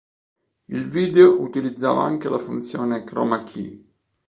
Il video utilizzava anche la funzione Chroma Key.